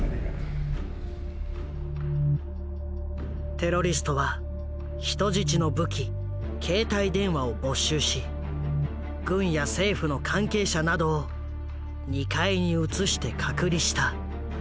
テロリストは人質の武器携帯電話を没収し軍や政府の関係者などを二階に移して隔離した。